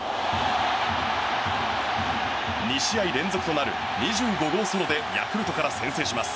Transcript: ２試合連続となる２５号ソロでヤクルトから先制します。